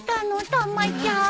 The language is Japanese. たまちゃん。